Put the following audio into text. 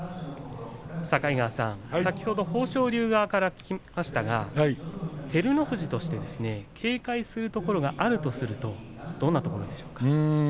境川さん、豊昇龍側から聞きましたけども照ノ富士として警戒するところはあるとするとどんなところですか？